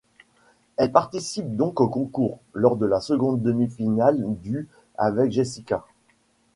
Elle participe donc au Concours, lors de la seconde demi-finale du avec Jessika.